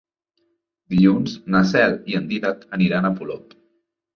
Dilluns na Cel i en Dídac aniran a Polop.